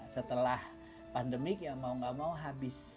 setelah pandemi mau tidak mau habis